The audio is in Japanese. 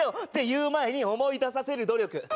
言う前に思い出させる努力。